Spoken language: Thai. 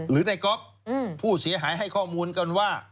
หรือในก๊อฟผู้เสียหายให้ข้อมูลกันว่า